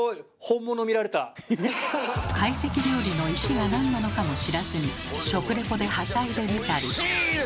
懐石料理の「石」がなんなのかも知らずに食レポではしゃいでみたり。